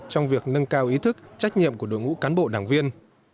trong việc nâng cao ý thức trách nhiệm của đội ngũ cán bộ đảng viên